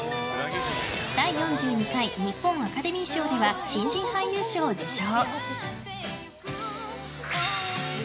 第４２回日本アカデミー賞では新人俳優賞を受賞。